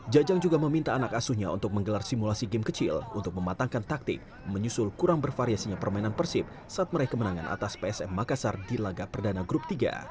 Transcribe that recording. jajang juga meminta anak asuhnya untuk menggelar simulasi game kecil untuk mematangkan taktik menyusul kurang bervariasinya permainan persib saat meraih kemenangan atas psm makassar di laga perdana grup tiga